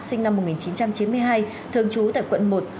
sinh năm một nghìn chín trăm chín mươi hai thường trú tại quận một